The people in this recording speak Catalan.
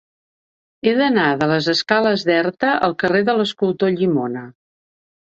He d'anar de les escales d'Erta al carrer de l'Escultor Llimona.